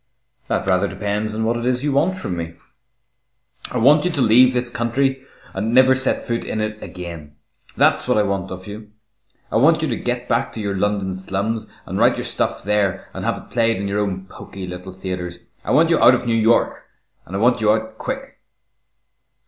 "That rather depends upon what it is you want from me?" "I want you to leave this country and never set foot in it again. That's what I want of you. I want you to get back to your London slums and write your stuff there and have it played in your own poky little theatres. I want you out of New York, and I want you out quick."